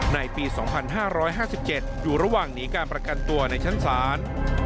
ในปี๒๕๕๗อยู่ระหว่างหนีการประกันตัวในชั้นศาล